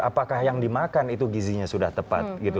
apakah yang dimakan itu gizinya sudah tepat gitu